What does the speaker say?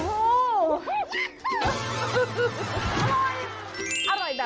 อื้ออาหารโอ้โฮ